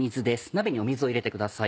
鍋に水を入れてください。